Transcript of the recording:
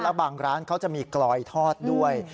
แล้วบางร้านเขาจะมีกลอยทอดด้วย